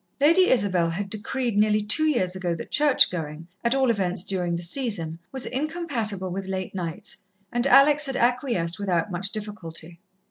Lady Isabel had decreed nearly two years ago that church going, at all events during the season, was incompatible with late nights, and Alex had acquiesced without much difficulty.